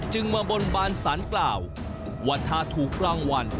มาบนบานสารกล่าวว่าถ้าถูกรางวัล